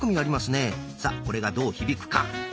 さあこれがどう響くか。